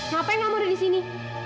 ngapain kamu udah disini